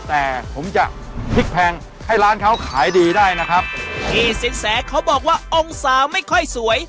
แต่ผมจะพลิกแพงให้ร้านเขาขายดีได้นะครับพี่สินแสเขาบอกว่าองศาไม่ค่อยสวย